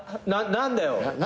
「何だよ